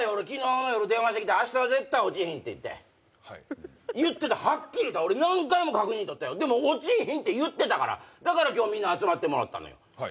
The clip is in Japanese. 昨日の夜電話してきて明日は絶対落ちひんって言ってはい言ってたはっきり言った俺何回も確認とったよでも落ちひんって言ってたからだから今日みんな集まってもらったのよ